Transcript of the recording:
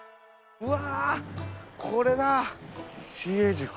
うわ。